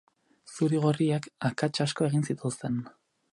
Zuri-gorriek akats asko egin zituzten.